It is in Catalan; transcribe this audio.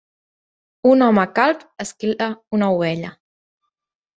Un home calb esquila una ovella.